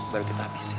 baru kita habisin